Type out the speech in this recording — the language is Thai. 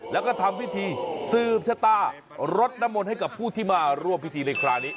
แล้วก็ทำพิธีสืบชะตารดน้ำมนต์ให้กับผู้ที่มาร่วมพิธีในคราวนี้